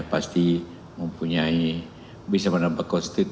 pasti mempunyai bisa menampakkan situasi